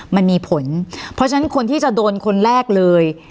มันมีผลเพราะฉะนั้นคนที่จะโดนคนแรกเลย